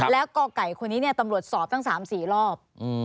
แล้วก่อไก่คนนี้เนี่ยตำรวจสอบทั้ง๓๔รอบ